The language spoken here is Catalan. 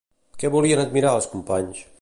Què volien admirar els companys?